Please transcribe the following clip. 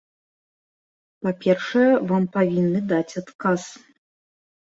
Па-першае, вам павінны даць адказ.